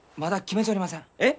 えっ？